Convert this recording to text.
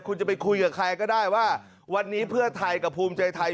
คุณจะไปคุยกับใครก็ได้ว่าวันนี้เพื่อไทยกับภูมิใจไทย